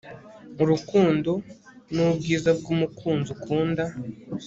Urukundo nubwiza bwumukunzi ukunda